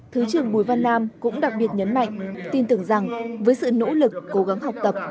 thứ trưởng bùi văn nam cũng đặc biệt nhấn mạnh tin tưởng rằng với sự nỗ lực cố gắng học tập